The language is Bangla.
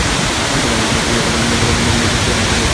তবে আমার ধারণা তুমি এখানে বড়ো কোনো উদ্দেশ্য হাসিলে এসেছো।